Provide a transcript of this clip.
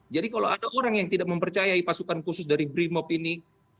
kalau ada orang yang tidak mempercayai pasukan khusus dari brimop ini